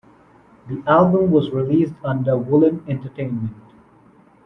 The album was released under Woollim Entertainment.